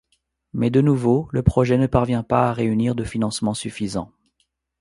Mais de nouveau, le projet ne parvient pas à réunir de financements suffisants.